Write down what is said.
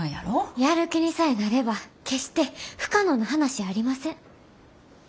やる気にさえなれば決して不可能な話やありません。